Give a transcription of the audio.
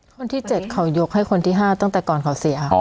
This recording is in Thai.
คนที่๗เขายกให้คนที่๕ตั้งแต่ก่อนเขาเสีย